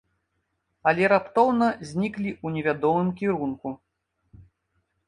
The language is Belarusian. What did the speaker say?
Але раптоўна зніклі ў невядомым кірунку.